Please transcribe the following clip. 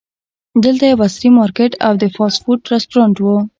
دلته یو عصري مارکیټ او د فاسټ فوډ رسټورانټ و.